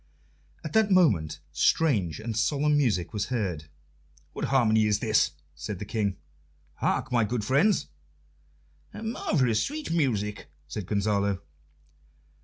At that moment strange and solemn music was heard. "What harmony is this?" said the King. "Hark, my good friends!" "Marvellous sweet music!" said Gonzalo.